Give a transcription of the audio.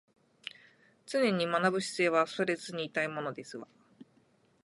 常に学ぶ姿勢は忘れずにいたいものですわ